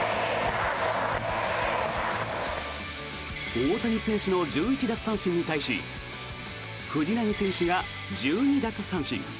大谷選手の１１奪三振に対し藤浪選手が１２奪三振。